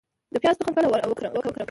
د پیاز تخم کله وکرم؟